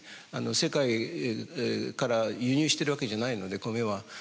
世界から輸入しているわけじゃないのでコメは。